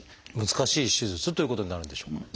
難しい手術ということになるんでしょうか？